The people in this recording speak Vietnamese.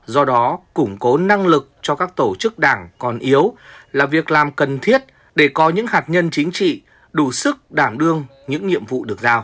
do đó củng cố năng lực cho các tổ chức đảng còn yếu là việc làm cần thiết để có những hạt nhân chính trị đủ sức đảm đương những nhiệm vụ được giao